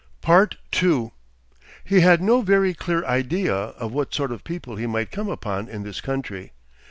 2 He had no very clear idea of what sort of people he might come upon in this country.